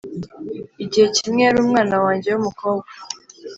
igihe kimwe yari umwana wanjye wumukobwa,